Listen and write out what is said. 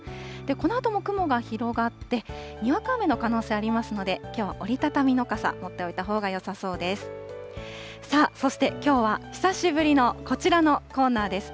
このあとも雲が広がって、にわか雨の可能性ありますので、きょうは折り畳みの傘、持っておいたほうがよさそうです。